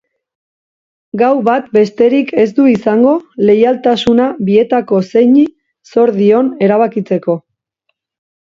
Gau bat besterik ez du izango leialtasuna bietako zeini zor dion erabakitzeko.